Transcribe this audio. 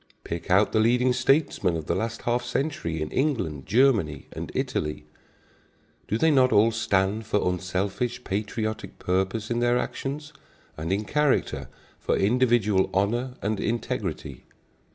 Pick out the leading statesmen of the last half century in England, Germany and Italy. Do they not all stand for unselfish, patriotic purpose in their actions, and in character for individual honor and integrity?